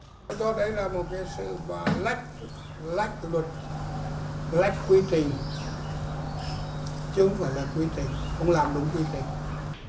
đó là một sự black quy trình chứ không phải là quy trình không làm đúng quy trình